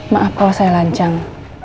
maaf kalau saya lancang